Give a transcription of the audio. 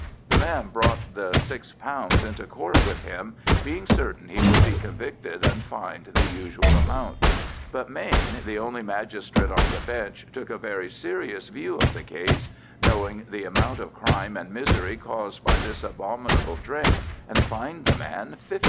The man brought the £6 into Court with him, being certain he would be convicted and fined the usual amount. But Mayne, the only magistrate on the bench, took a very serious view of the case, knowing the amount of crime and misery caused by this abominable drink, and fined the man £50.